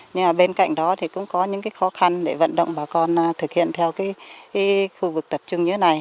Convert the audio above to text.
nhưng mà bên cạnh đó thì cũng có những khó khăn để vận động bà con thực hiện theo khu vực tập trung như thế này